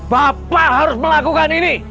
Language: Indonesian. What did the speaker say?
bapak harus melakukan ini